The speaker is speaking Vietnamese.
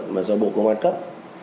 mà do bộ công an cấp